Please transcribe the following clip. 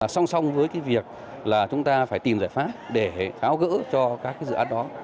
xong xong với việc chúng ta phải tìm giải pháp để tháo gỡ cho các dự án đó